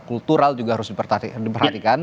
kultural juga harus diperhatikan